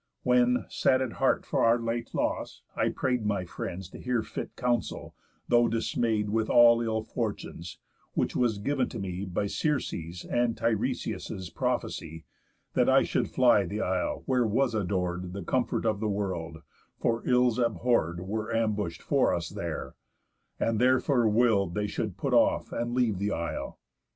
When, sad at heart for our late loss, I pray'd My friends to hear fit counsel (though dismay'd With all ill fortunes) which was giv'n to me By Circe's and Tiresias' prophecy,— That I should fly the isle where was ador'd The Comfort of the world, for ills abhorr'd Were ambush'd for us there; and therefore will'd They should put off and leave the isle.